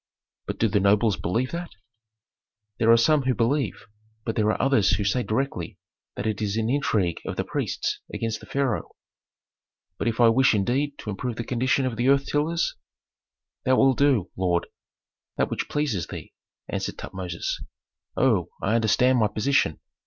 "But do the nobles believe that?" "There are some who believe, but there are others who say directly that it is an intrigue of the priests against the pharaoh." "But if I wish indeed to improve the condition of earth tillers?" "Thou wilt do, lord, that which pleases thee," answered Tutmosis. "Oh, I understand my position!"